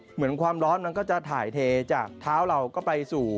เหมือนความร้อนมันก็จะถ่ายเทจากเท้าเราก็ไปสู่